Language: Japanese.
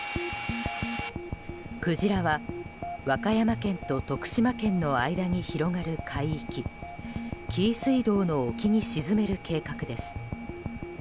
クジラは和歌山県と徳島県の間に広がる海域紀伊水道の沖に沈める計画です。